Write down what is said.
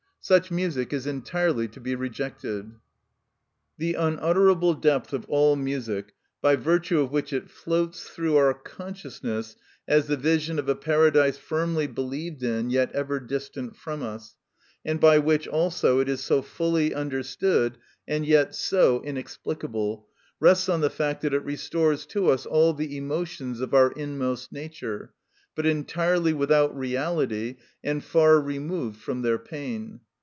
Such music is entirely to be rejected. The unutterable depth of all music by virtue of which it floats through our consciousness as the vision of a paradise firmly believed in yet ever distant from us, and by which also it is so fully understood and yet so inexplicable, rests on the fact that it restores to us all the emotions of our inmost nature, but entirely without reality and far removed from their pain.